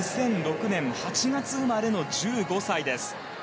２００６年８月生まれの１５歳です。